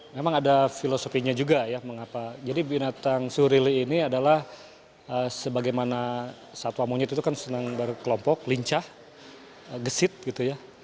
memang ada filosofinya juga ya mengapa jadi binatang surili ini adalah sebagaimana satwa monyet itu kan senang berkelompok lincah gesit gitu ya